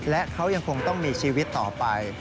และเขายังคงต้องมีชีวิตต่อไป